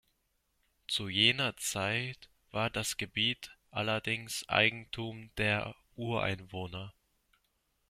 Zu jener Zeit war das Gebiet allerdings Eigentum der Ureinwohner.